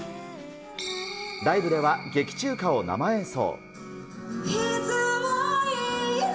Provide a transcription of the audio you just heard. ライブでは劇中歌を生演奏。